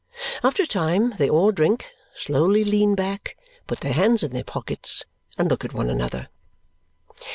After a time, they all drink, slowly lean back, put their hands in their pockets, and look at one another.